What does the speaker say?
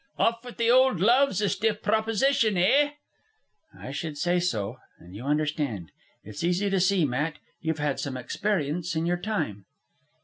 Off with the old love's a stiff proposition, eh?" "I should say so. And you understand. It's easy to see, Matt, you've had some experience in your time."